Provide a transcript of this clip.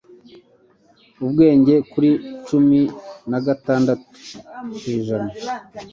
bwageze kuri cumi nagatandatu kwijana